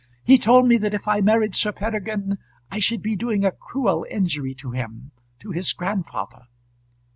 He told me that if I married Sir Peregrine I should be doing a cruel injury to him to his grandfather."